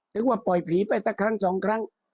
เรียกว่าปล่อยผีไปสักครั้งสองครั้ง